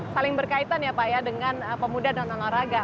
saling berkaitan ya pak ya dengan pemuda dan orang orang raga